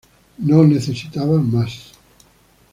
No necesitaba más.